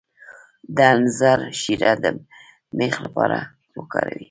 د انځر شیره د میخ لپاره وکاروئ